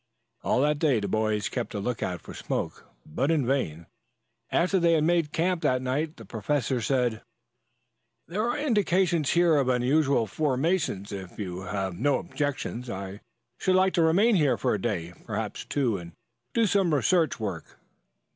All that day the boys kept a lookout for smoke, but in vain. After they had made camp that night the Professor said: "There are indications here of unusual formations. If you have no objections I should like to remain here for a day, perhaps two, and do research work."